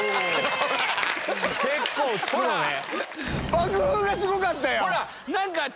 爆風がすごかった。